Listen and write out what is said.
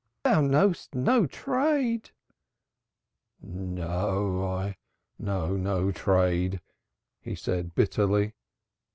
Thou knowest no trade!" "No, I know no trade," he said bitterly.